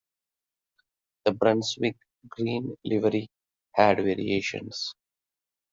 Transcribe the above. The Brunswick green livery had variations.